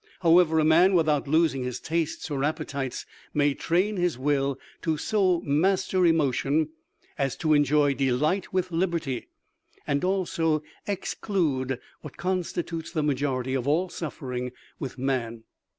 However, a man without losing his tastes or appetites may train his Will to so master Emotion as to enjoy delight with liberty, and also exclude what constitutes the majority of all suffering with man.